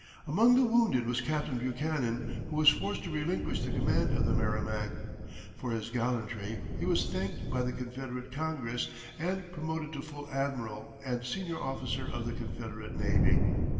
Among the wounded was Captain Buchanan, who was forced to relinquish the command of the Merrimac. For his gallantry, he was thanked by the Confederate Congress, and promoted to full admiral and senior officer of the Confederate navy.